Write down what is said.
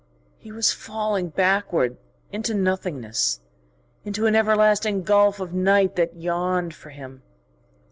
He was falling backward into nothingness, into an everlasting gulf of night that yawned for him....